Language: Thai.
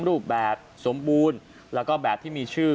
รูปแบบสมบูรณ์แล้วก็แบบที่มีชื่อ